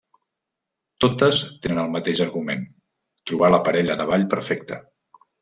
Totes tenen el mateix argument: trobar la parella de ball perfecta.